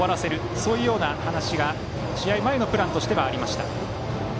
そういうような話が、試合前のプランとしてはありました。